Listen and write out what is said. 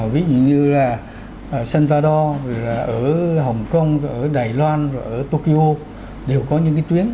ví dụ như là san fador ở hồng kông ở đài loan ở tokyo đều có những cái tuyến